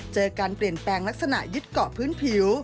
การเปลี่ยนแปลงลักษณะยึดเกาะพื้นผิว